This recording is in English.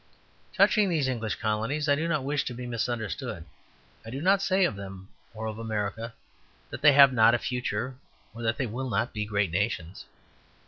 Touching these English colonies, I do not wish to be misunderstood. I do not say of them or of America that they have not a future, or that they will not be great nations.